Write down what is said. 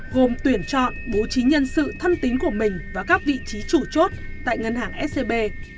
gồm tuyển chọn bố trí nhân sự thân tính của mình và các vị trí chủ chốt tại ngân hàng scb